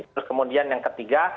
terus kemudian yang ketiga